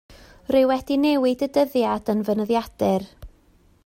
Rwy wedi newid y dyddiad yn fy nyddiadur.